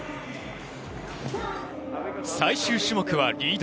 最終種目はリード。